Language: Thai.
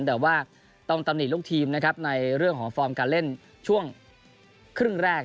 แต่ว่าต้องตำหนิลูกทีมนะครับในเรื่องของฟอร์มการเล่นช่วงครึ่งแรก